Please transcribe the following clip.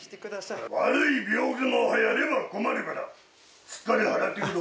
悪い病気の流行りは困るからしっかり払っていくぞ。